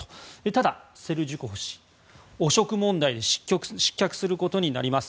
ただセルジュコフ氏、汚職問題で失脚することになります。